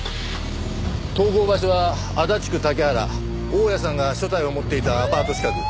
投稿場所は足立区竹原大屋さんが所帯を持っていたアパート近く。